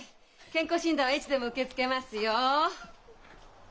健康診断はいつでも受け付けますよ。